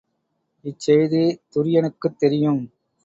இச்செய்தி துரியனுக்குத் தெரியும்.